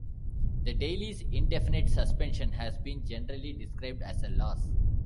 The daily's indefinite suspension has been generally described as a loss.